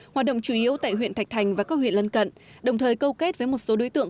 hoạt động chủ yếu tại huyện thạch thành và các huyện lân cận đồng thời câu kết với một số đối tượng